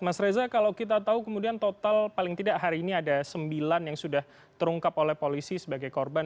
mas reza kalau kita tahu kemudian total paling tidak hari ini ada sembilan yang sudah terungkap oleh polisi sebagai korban